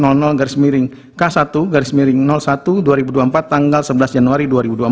garis miring pm garis miring k satu garis miring satu dua ribu dua puluh empat tertanggal sebelas januari dua ribu dua puluh empat